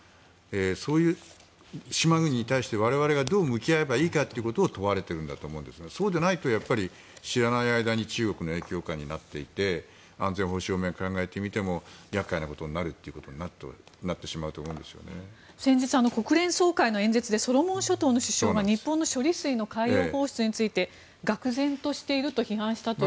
そういう島国に対して我々がどう向き合えばいいかを問われていると思うんですがそうでないと知らない間に中国の影響下になっていて安全保障面を考えてみても厄介なことになってしまうと先日、国連総会の演説でソロモン諸島の首相が日本の処理水の海洋放出についてがくぜんとしていると批判したという。